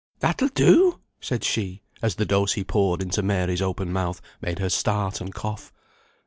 "That'll do!" said she, as the dose he poured into Mary's open mouth made her start and cough.